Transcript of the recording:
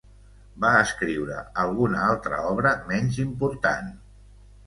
Va escriure alguna altra obra menys important.